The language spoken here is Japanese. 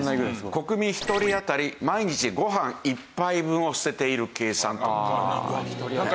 国民１人当たり毎日ご飯１杯分を捨てている計算。